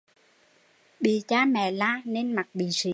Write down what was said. Bị cha mẹ la nên mặt bị sị